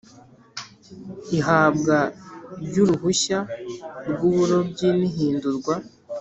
Ihabwa ry uruhushya rw uburobyi n ihindurwa